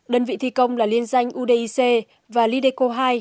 đơn vị thi công là liên danh udic và lideco hai